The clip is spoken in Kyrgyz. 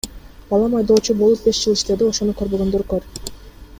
Балам айдоочу болуп, беш жыл иштеди, ошону көрбөгөндөр көр.